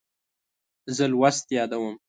زه لوست یادوم.